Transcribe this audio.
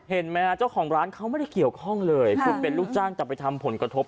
เห็นไหมฮะเจ้าของร้านเขาไม่ได้เกี่ยวข้องเลยคุณเป็นลูกจ้างแต่ไปทำผลกระทบ